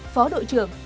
phó đội trưởng